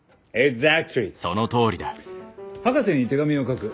博士に手紙を書く。